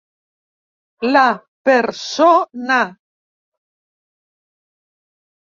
La per, so, na.